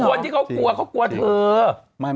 คนที่เขากลัวเขากลัวเธอ